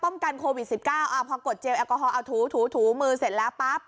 กันโควิด๑๙พอกดเจลแอลกอฮอลเอาถูถูถูมือเสร็จแล้วปั๊บ